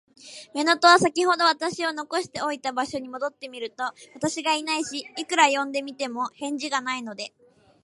乳母は、さきほど私を残しておいた場所に戻ってみると、私がいないし、いくら呼んでみても、返事がないので、